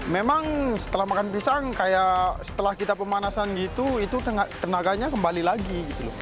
memang setelah makan pisang kayak setelah kita pemanasan gitu itu tenaganya kembali lagi